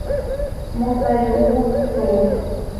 Мо сайже уло – толыш.